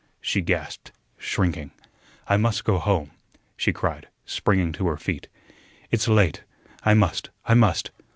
she gasped, shrinking. "I must go home," she cried, springing to her feet. "It's late. I must. I must.